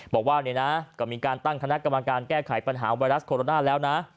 บอกว่าเนี่ยนะก็มีการตั้งคณะกรรมการแก้ไขปัญหาไวรัสโคโรนาแล้วนะ